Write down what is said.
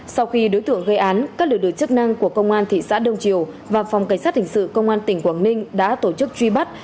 sau khi đối tượng gây án các lực lượng chức năng của công an thị xã đông triều và phòng cảnh sát hình sự công an tỉnh quảng ninh đã tổ chức truy bắt